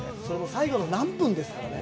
最後の何分ですからね。